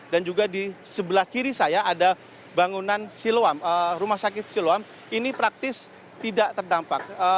dan juga di sebelah kiri saya ada bangunan siluam rumah sakit siluam ini praktis tidak terdampak